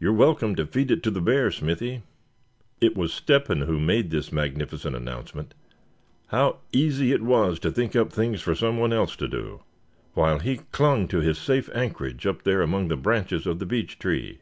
You're welcome to feed it to the bear, Smithy." It was Step hen who made this magnificent announcement; how easy it was to think up things for some one else to do, while he clung to his safe anchorage up there among the branches of the beech tree.